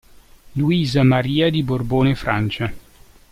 Luisa Maria di Borbone-Francia